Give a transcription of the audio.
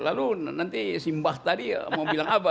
lalu nanti si mbah tadi mau bilang apa